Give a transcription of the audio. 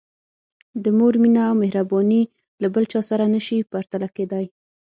د مور مینه او مهرباني له بل چا سره نه شي پرتله کېدای.